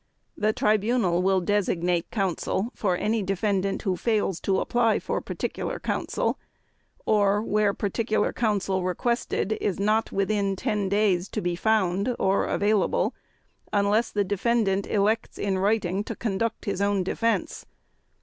The Tribunal will designate counsel for any defendant who fails to apply for particular counsel or, where particular counsel requested is not within ten (10) days to be found or available, unless the defendant elects in writing to conduct his own defense.